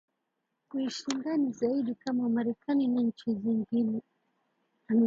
kiushindani zaidi kama marekani na nchi zingine